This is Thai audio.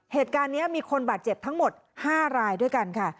เหตุการณ์นี้มีคนบาดเจ็บทั้งหมด๕รายด้วยกันค่ะ